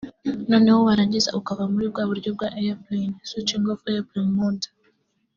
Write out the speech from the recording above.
noneho warangiza ukava muri bwa buryo bwa Airplane (switching off Airplane Mode)